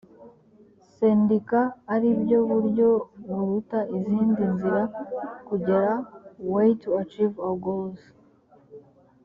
sendika ari byo buryo buruta izindi nzira kugera way to achieve our goals